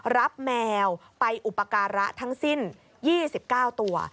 แมวไปอุปการะทั้งสิ้น๒๙ตัว